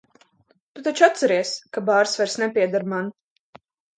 Tu taču atceries, ka bārs vairs nepieder man?